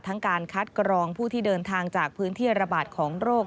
การคัดกรองผู้ที่เดินทางจากพื้นที่ระบาดของโรค